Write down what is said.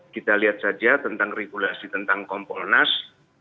kita lihat saja tentang regulasi tentang kompolnas